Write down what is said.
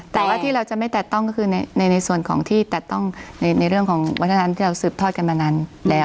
แต่ว่าที่เราจะไม่ตัดต้องก็คือในส่วนของที่ตัดต้องในเรื่องของวัฒนธรรมที่เราสืบทอดกันมานานแล้ว